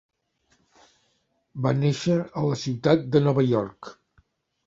Va néixer a la ciutat de Nova York.